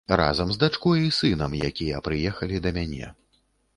Разам дачкой і сынам, якія прыехалі да мяне.